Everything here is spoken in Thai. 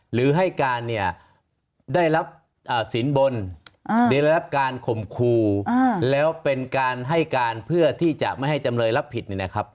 หรือให้การได้รับศีลบนได้รับการข่มครูแล้วเป็นการให้การเพื่อที่จะไม่ให้จำเลยรับผิด